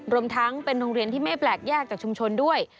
รวมทั้งเป็นโรงเรียนที่ไม่แปลกแยกจากชุมชนด้วย